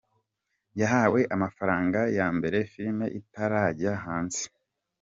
Yahawe amafaranga ya mbere filime itarajya hanze.